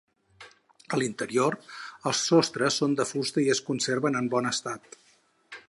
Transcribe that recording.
A l'interior, els sostres són de fusta i es conserven en bon estat.